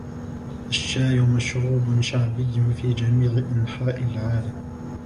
الشاي مشروب شعبي في جميع أنحاء العالم.